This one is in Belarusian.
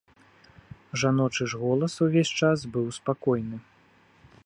Жаночы ж голас увесь час быў спакойны.